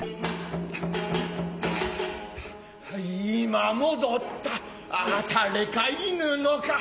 今戻った誰かいぬのか。